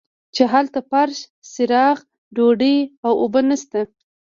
چې هلته فرش چراغ ډوډۍ او اوبه نشته.